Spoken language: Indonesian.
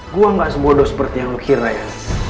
gue gak semudah seperti yang lo kira